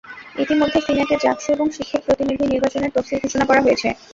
ইতিমধ্যে সিনেটে জাকসু এবং শিক্ষক প্রতিনিধি নির্বাচনের তফসিল ঘোষণা করা হয়েছে।